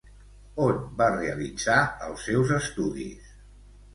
On va realitzar els seus estudis?